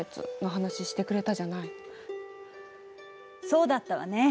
そうだったわね。